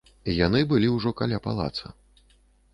Яны былі ўжо каля палаца.